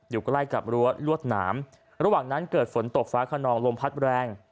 อยู่ใกล้กับรั้วลวดหนามระหว่างนั้นเกิดฝนตกฟ้าขนองลมพัดแรง